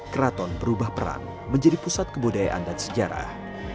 keraton berubah peran menjadi pusat kebudayaan dan sejarah